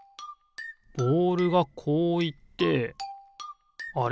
ボールがこういってあれ？